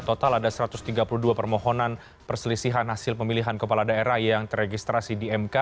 total ada satu ratus tiga puluh dua permohonan perselisihan hasil pemilihan kepala daerah yang teregistrasi di mk